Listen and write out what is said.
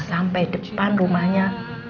sampai depan rumahnya